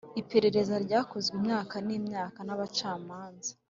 iperereza ryakozwe imyaka n'imyaka n'abacamanza